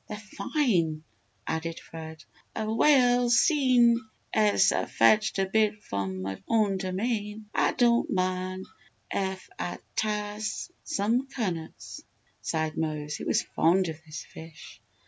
They're fine!" added Fred. "Well, seein' ez Ah fetched a bit from m' own domain, Ah don't min' ef Ah tas' some cunners!" sighed Mose, who was fond of this fish.